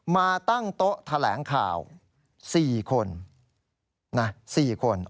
มาตั้งโต๊ะแถลงข่าว๔คน๔คน